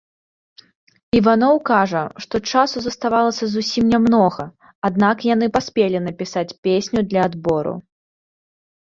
Іваноў кажа, што часу заставалася зусім нямнога, аднак яны паспелі напісаць песню для адбору.